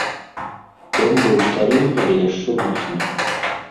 Дом быў стары, але яшчэ моцны.